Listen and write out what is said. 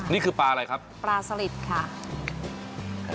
นี่คือปลาอะไรครับปลาสลิดค่ะ